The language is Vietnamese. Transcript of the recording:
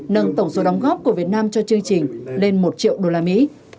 nâng tổng số đóng góp của việt nam cho chương trình lên một triệu đô la mỹ